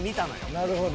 「なるほど」